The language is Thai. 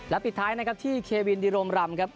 ปิดท้ายนะครับที่เควินดิโรมรำครับ